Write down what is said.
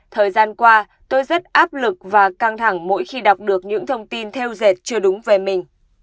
thời gian qua tôi rất áp lực và căng thẳng mỗi khi đọc được những thông tin theo dệt chưa đúng về mình